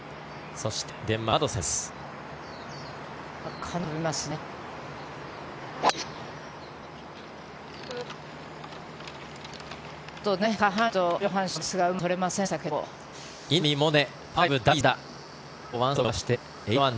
そして、デンマークのマドセン。